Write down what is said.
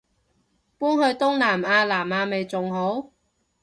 搬去東南亞南亞咪仲好